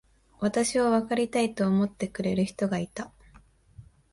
私をわかりたいと思ってくれる人がいた。